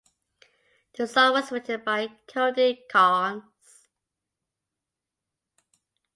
The song was written by Cody Carnes.